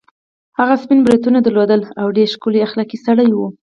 هغه سپین بریتونه درلودل او ډېر ښکلی اخلاقي سړی وو.